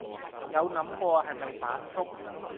有諗過係咪反覆